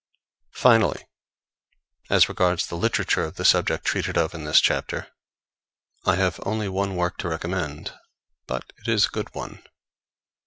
] Finally, as regards the literature of the subject treated of in this chapter, I have only one work to recommend, but it is a good one.